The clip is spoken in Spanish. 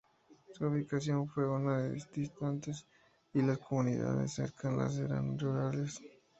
Su ubicación fue una vez distantes y las comunidades cercanas eran rurales.